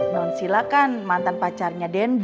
nonsila kan mantan pacarnya den boy pak